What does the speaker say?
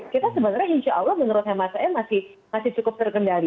kita sebenarnya insya allah menurutnya masyarakatnya masih cukup terkendali